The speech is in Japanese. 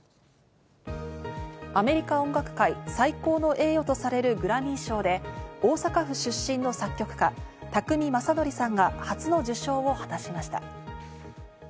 アメリカ音楽界最高の栄誉とされるグラミー賞で大阪府出身の作曲家・宅見将典さんが初の受賞を果たしました。